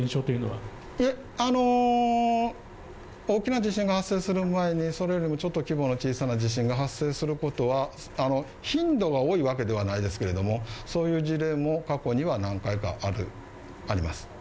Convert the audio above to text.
大きな地震が発生する前にそれもちょっと規模の小さな地震が発生することは、頻度が多いわけではないですけれども、そういう事例も過去には何回かあります。